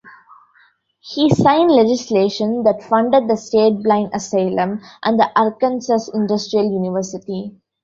He signed legislation that funded the State Blind Asylum and the Arkansas Industrial University.